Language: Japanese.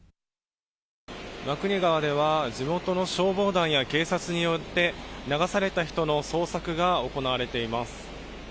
真国川では地元の消防団や警察によって、流された人の捜索が行われています。